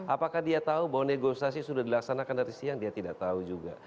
apakah dia tahu bahwa negosiasi sudah dilaksanakan dari siang dia tidak tahu juga